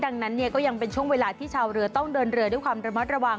ดังนั้นเนี่ยก็ยังเป็นช่วงเวลาที่ชาวเรือต้องเดินเรือด้วยความระมัดระวัง